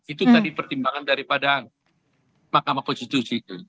itu tadi pertimbangan daripada mahkamah konstitusi